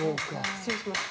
失礼します。